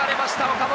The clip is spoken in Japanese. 岡本！